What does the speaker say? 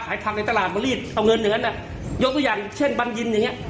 ขายพังในตลาดบริษฐ์เอาเงินอย่างเงินอ่ะยกตัวอย่างเช่นบรรยินอย่างเงี้ย